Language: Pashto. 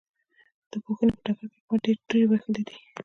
د پوهنې په ډګر کې احمد ډېرې تورې وهلې دي.